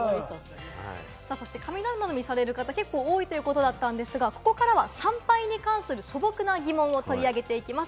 神頼みされる方、結構多いということだったんですが、ここからは参拝に関する素朴な疑問を取り上げていきます。